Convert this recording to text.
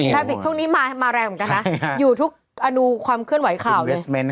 บิกช่วงนี้มาแรงเหมือนกันนะอยู่ทุกอนุความเคลื่อนไหวข่าวเลย